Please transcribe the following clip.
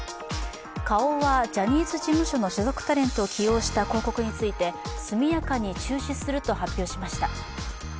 花王はジャニーズ事務所の所属タレントを起用した広告について、速やかに中止すると発表しました。